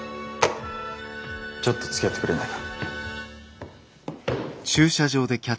ちょっとつきあってくれないか？